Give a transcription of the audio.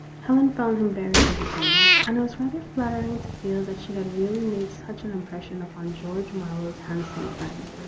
Helen found him very entertaining, and it was rather flattering to feel that she had really made such an impression upon George Marlowe's hand some friend.